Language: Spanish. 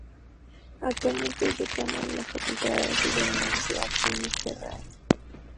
Actualmente, es decana de la Facultad de Artes, de la Universidad Finis Terrae.